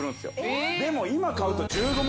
でも今買うと。